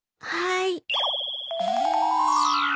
はい。